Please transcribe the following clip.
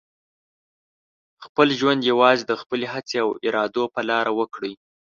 خپل ژوند یوازې د خپلې هڅې او ارادو په لاره وکړئ.